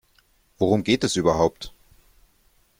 Worum geht es überhaupt?